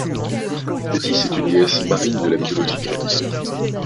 Téthys est une déesse marine de la mythologie grecque.